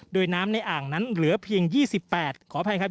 โดยน้ำในอ่างนั้นเหลือเพียง๒๘ขออภัยครับ